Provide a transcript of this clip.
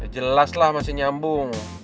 jelas lah masih nyambung